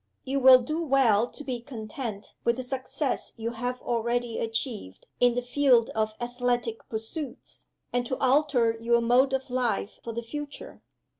You will do well to be content with the success you have already achieved in the field of athletic pursuits, and to alter your mode of life for the future.